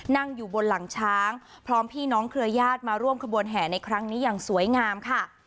นั่งอยู่บนหลังช้างพร้อมพี่น้องเครือญาติมาร่วมขบวนแห่ในครั้งนี้อย่างสวยงามค่ะ